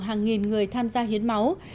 hàng nghìn người tham gia hiến máu